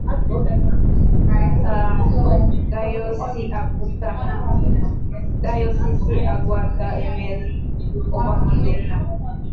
Dayọsiisi Agụata Emeela Nnukwu Ọgbakọ Ndị Nna